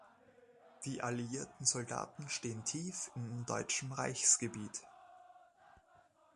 Die alliierten Soldaten stehen tief in deutschem Reichsgebiet.